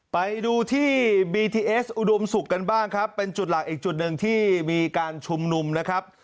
ไปดูที่บีทีเอสอุดมศุกร์กันบ้างครับเป็นจุดหลักอีกจุดหนึ่งที่มีการชุมนุมนะครับ